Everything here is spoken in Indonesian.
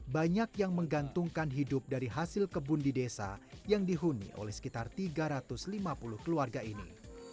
banyak yang menggantungkan hidup dari hasil kebun di desa yang dihuni oleh sekitar tiga ratus lima puluh keluarga ini